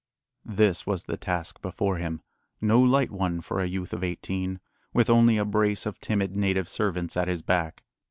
This was the task before him; no light one for a youth of eighteen, with only a brace of timid native servants at his back.